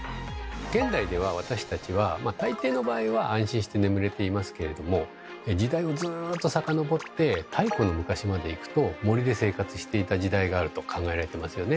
現代では私たちはまあ大抵の場合は安心して眠れていますけれども時代をずっと遡って太古の昔までいくと森で生活していた時代があると考えられてますよね。